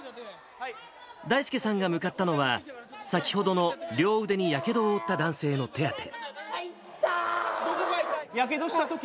だいすけさんが向かったのは、先ほどの両腕にやけどを負った男性の手当て。